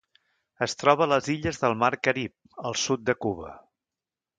Es troba a les illes del Mar Carib al sud de Cuba.